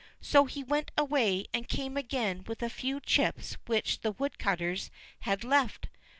So he went away, and came again with a few chips which the woodcutters had left.